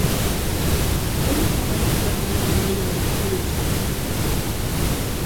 Zein ezaugarrik ematen diote maila hori, zure ustez?